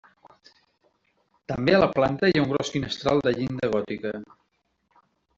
També a la planta hi ha un gros finestral de llinda gòtica.